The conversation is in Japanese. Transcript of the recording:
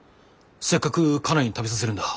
せっかくカナに食べさせるんだ。